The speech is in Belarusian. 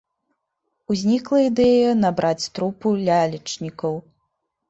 Узнікла ідэя набраць трупу лялечнікаў.